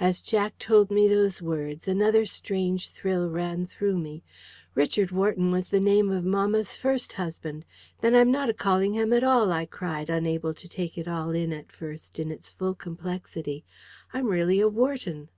As Jack told me those words, another strange thrill ran through me. "Richard Wharton was the name of mamma's first husband. Then I'm not a Callingham at all!" I cried, unable to take it all in at first in its full complexity. "I'm really a Wharton!"